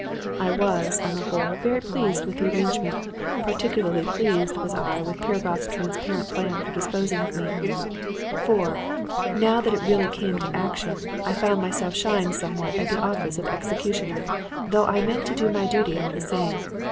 "I was, on the whole, very well pleased with the arrangement. Particularly pleased was I with Piragoff's transparent plan for disposing of me. For, now that it really came to action, I found myself shying somewhat at the office of executioner; though I meant to do my duty all the same.